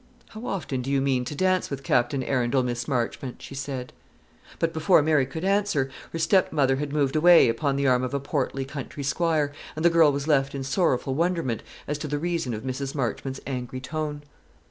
"How often do you mean to dance with Captain Arundel, Miss Marchmont?" she said. But before Mary could answer, her stepmother had moved away upon the arm of a portly country squire, and the girl was left in sorrowful wonderment as to the reason of Mrs. Marchmont's angry tone.